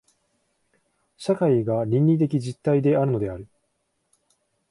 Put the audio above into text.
社会が倫理的実体であるのである。